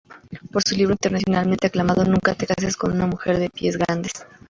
Por su libro internacionalmente aclamado "Nunca te cases con una mujer de pies grandes.